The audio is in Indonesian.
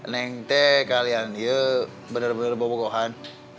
neng teh kalian bener bener bobo gohan